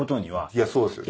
いやそれ。